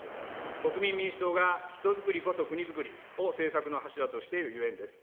国民民主党が人づくりこそ国づくりを政策の柱としているゆえんです。